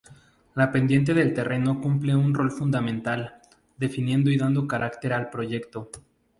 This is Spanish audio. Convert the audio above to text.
La pendiente del terreno cumple un rol fundamental, definiendo y dando carácter al proyecto.